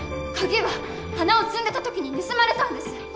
カギは花を摘んでた時に盗まれたんです！